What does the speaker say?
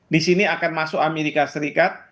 di sini akan masuk amerika serikat